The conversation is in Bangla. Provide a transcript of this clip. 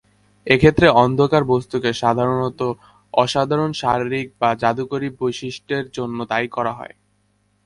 এই ক্ষেত্রে, অন্ধকার বস্তুকে সাধারণত অসাধারণ শারীরিক বা জাদুকরী বৈশিষ্ট্যের জন্য দায়ী করা হয়।